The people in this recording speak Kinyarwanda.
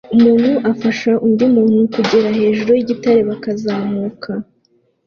Umuntu afasha undi muntu kugera hejuru yigitare bazamuka